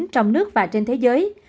trong nước và trên thế giới